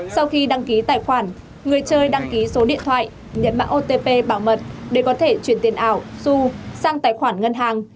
sau khi đăng ký tài khoản người chơi đăng ký số điện thoại nhận mạng otp bảo mật để có thể chuyển tiền ảo su sang tài khoản ngân hàng